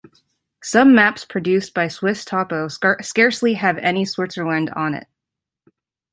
Some maps produced by Swisstopo scarcely have any Switzerland on it.